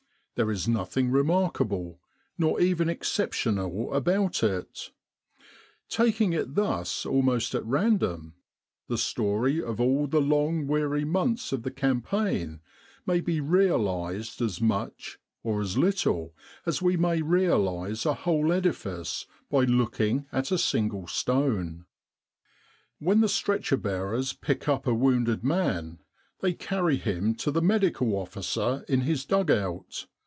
There is nothing remarkable, nor even exceptional, about it. Taking it thus almost at random, the story of all the long weary months of the campaign may be realised as much or as little as we may realise a whole edifice by looking at a single stone :" When the stretcher bearers pick up a wounded man, they carry him to the Medical Officer in his dug out.